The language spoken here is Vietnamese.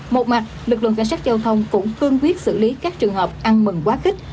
một mặt lực lượng cảnh sát giao thông cũng cương quyết xử lý các trường hợp ăn mừng quá khích